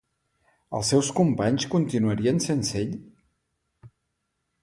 Els seus companys continuarien sense ell?